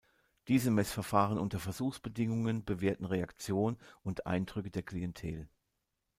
Diese Messverfahren unter Versuchsbedingungen bewerten Reaktion und Eindrücke der Klientel.